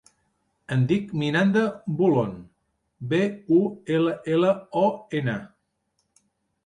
Em dic Miranda Bullon: be, u, ela, ela, o, ena.